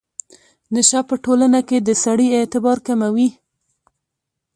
نشه په ټولنه کې د سړي اعتبار کموي.